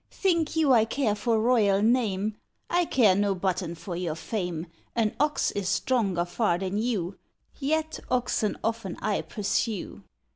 "Think you I care for Royal name? I care no button for your fame; An ox is stronger far than you, Yet oxen often I pursue."